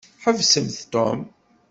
Ḥbsemt Tom.